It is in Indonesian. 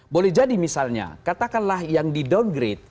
boleh jadi misalnya katakanlah yang di downgrade